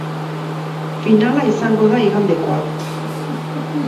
Finala izango da igandekoa.